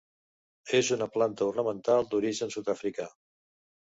És una planta ornamental d'origen sud-africà.